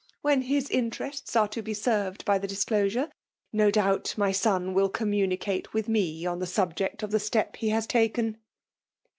When his interests are to 1^ wrred by the diaclosore, no doubt my iob wfll comnnnncate with ine on the sabjeet of tlie slep he has taken.